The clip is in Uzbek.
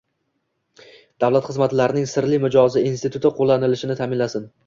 «davlat xizmatlarining sirli mijozi» instituti qo‘llanilishini ta’minlasin;